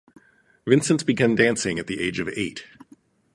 Vincent began dancing at the age of eight.